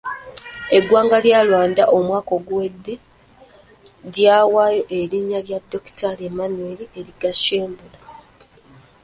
Eggwanga lya Rwanda omwaka oguwedde lyawaayo erinnya lya Dokitaali Emmanuel Ugirashebula.